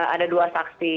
ada dua saksi